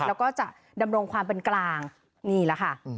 แล้วก็จะดำรงความเป็นกลางนี่แหละค่ะ